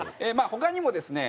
他にもですね